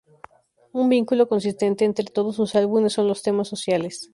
Un vínculo consistente entre todos sus álbumes son los temas sociales.